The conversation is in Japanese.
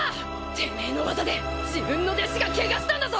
てめえの技で自分の弟子がケガしたんだぞ！